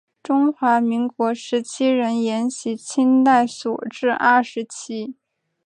中华民国时期仍沿袭清代所置二十旗。